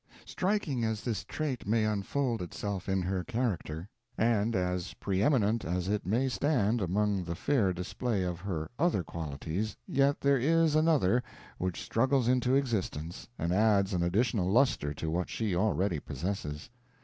Striking as this trait may unfold itself in her character, and as pre eminent as it may stand among the fair display of her other qualities, yet there is another, which struggles into existence, and adds an additional luster to what she already possesses.